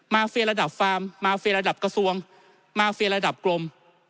เฟียระดับฟาร์มมาเฟียระดับกระทรวงมาเฟียระดับกลม